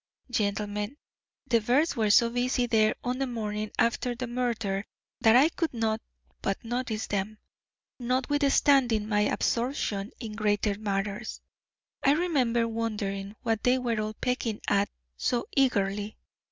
Gentlemen, the birds were so busy there on the morning after the murder that I could not but notice them, notwithstanding my absorption in greater matters. I remember wondering what they were all pecking at so eagerly.